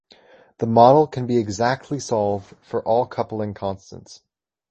The model can be exactly solved for all coupling constants.